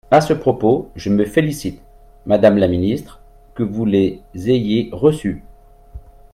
À ce propos, je me félicite, madame la ministre, que vous les ayez reçues.